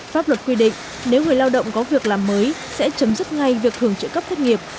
pháp luật quy định nếu người lao động có việc làm mới sẽ chấm dứt ngay việc hưởng trợ cấp thất nghiệp